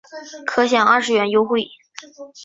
可享二十元优惠